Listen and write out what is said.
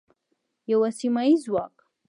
یو سیمه ییز ځواک.